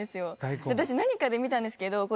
私何かで見たんですけど。